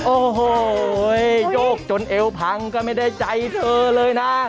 โอ้โหโยกจนเอวพังก็ไม่ได้ใจเธอเลยนะ